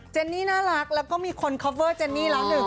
เนนี่น่ารักแล้วก็มีคนคอปเวอร์เจนนี่แล้วหนึ่ง